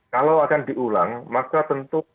kalau akan diulang maka tentu